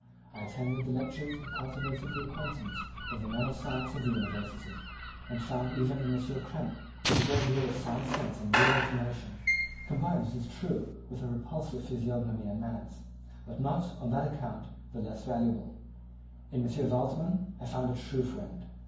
I attended the lectures and cultivated the acquaintance of the men of science of the university, and I found even in M. Krempe a great deal of sound sense and real information, combined, it is true, with a repulsive physiognomy and manners, but not on that account the less valuable. In M. Waldman I found a true friend.